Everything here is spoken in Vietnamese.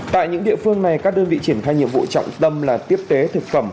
tại những địa phương này các đơn vị triển khai nhiệm vụ trọng tâm là tiếp tế thực phẩm